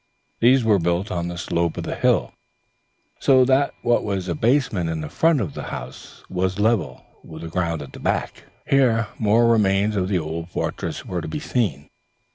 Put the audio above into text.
These were built on the slope of the hill, so that what was a basement in the front of the house was level with the ground at the back. Here more remains of the old fortress were to be seen.